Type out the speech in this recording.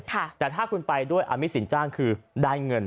แต่ถ้าคุณไปด้วยอามิตสินจ้างคือได้เงิน